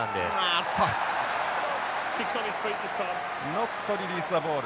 あっとノットリリースザボール。